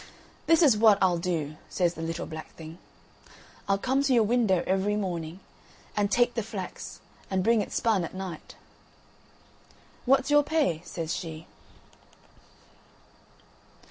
"This is what I'll do," says the little black thing, "I'll come to your window every morning and take the flax and bring it spun at night." "What's your pay?" says she.